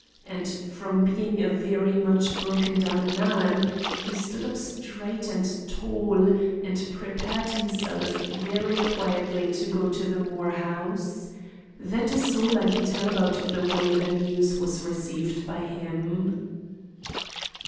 And from being a very much broken down man, he stood up straight and tall and prepared himself very quietly to go to the Moore house. That is all I can tell about the way the news was received by him."